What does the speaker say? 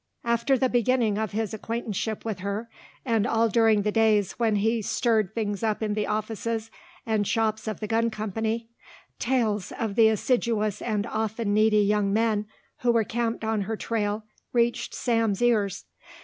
After the beginning of his acquaintanceship with her, and all during the days when he stirred things up in the offices and shops of the gun company, tales of the assiduous and often needy young men who were camped on her trail reached Sam's ears.